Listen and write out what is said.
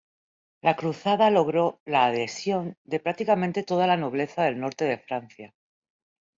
La cruzada logró la adhesión de prácticamente toda la nobleza del norte de Francia.